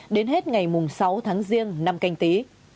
đến hết ngày sáu tháng riêng năm canh tí